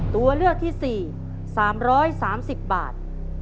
ตัวเลือกที่๔๓๓๐บาท